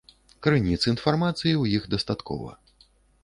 Крыніц інфармацыі ў іх дастаткова.